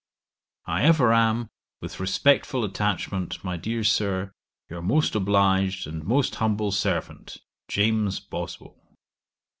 'I ever am with respectful attachment, my dear Sir, 'Your most obliged 'And most humble servant, 'JAMES BOSWELL.'